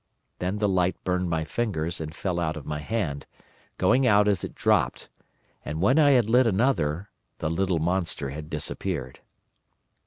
Then the light burned my fingers and fell out of my hand, going out as it dropped, and when I had lit another the little monster had disappeared.